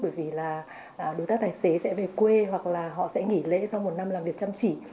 bởi vì là đối tác tài xế sẽ về quê hoặc là họ sẽ nghỉ lễ sau một năm làm việc chăm chỉ